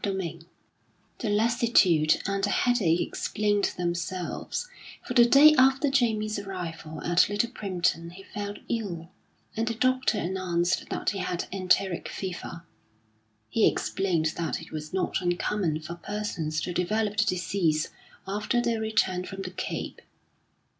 XVIII The lassitude and the headache explained themselves, for the day after Jamie's arrival at Little Primpton he fell ill, and the doctor announced that he had enteric fever. He explained that it was not uncommon for persons to develop the disease after their return from the Cape.